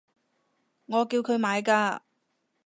我叫佢買㗎